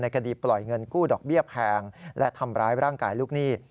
คดีปล่อยเงินกู้ดอกเบี้ยแพงและทำร้ายร่างกายลูกหนี้